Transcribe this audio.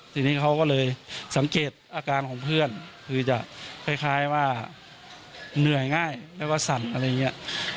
ทีนี้เขาก็เลยสังเกตอาการของเพื่อนคือจะคล้ายว่าเหนื่อยง่ายแล้วก็สั่นอะไรอย่างนี้